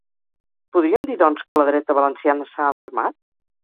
Podríem dir, doncs, que la dreta valenciana s’ha alarmat?